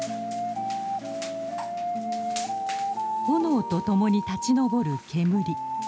炎とともに立ち上る煙。